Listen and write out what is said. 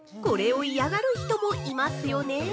これを嫌がる人もいますよね！